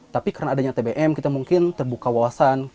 tapi karena adanya tbm kita mungkin terbuka wawasan